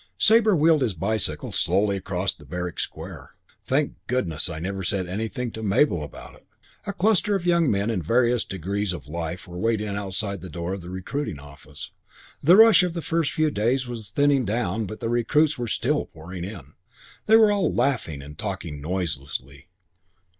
Sabre wheeled his bicycle slowly away across the barrack square. "Thank goodness, I never said anything to Mabel about it." A cluster of young men of various degrees of life were waiting outside the door of the recruiting office. The rush of the first few days was thinning down but recruits were still pouring in. They were all laughing and talking noisily.